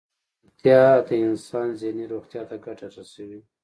ارامتیا د انسان ذهني روغتیا ته ګټه رسوي.